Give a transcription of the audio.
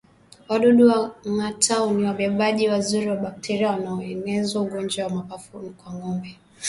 Wadudu wangatao ni wabebaji wazuri wa bakteria wanaoeneza ugonjwa wa mapafu kwa ngombe